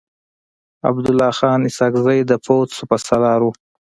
عبدالله خان اسحق زی د پوځ سپه سالار و.